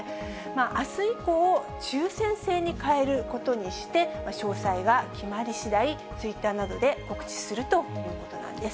あす以降、抽せん制に変えることにして、詳細が決まりしだいツイッターなどで告知するということなんです。